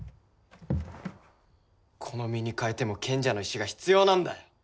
この身に代えても賢者の石が必要なんだよ！